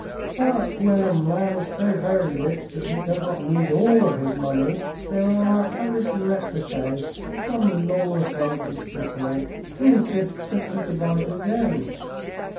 But when a man is so very rich that he does not need all of his money, there are, I regret to say, some lawless ones in Sicily who insist that he divide with them.